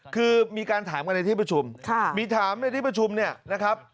คือมีการถามกันในที่ประชุมมีถามในที่ประชุมเนี่ยนะครับ